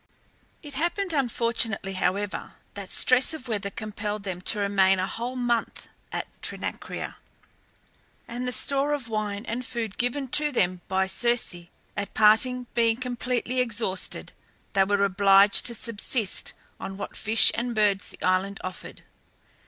It happened, unfortunately, however, that stress of weather compelled them to remain a whole month at Trinacria, and the store of wine and food given to them by Circe at parting being completely exhausted, they were obliged to subsist on what fish and birds the island afforded.